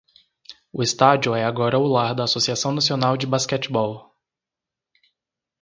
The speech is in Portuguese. O estádio é agora o lar da Associação Nacional de basquetebol.